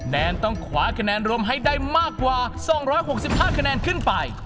แนนต้องขวาคะแนนรวมให้ได้มากกว่า๒๖๕คะแนนขึ้นไป